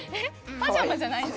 パジャマじゃないの？